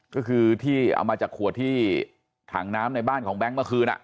ก็คือที่เอามาจากขวดที่ถังน้ำในบ้านของแบงค์เมื่อคืน